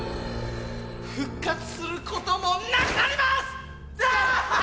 復活することもなくなります！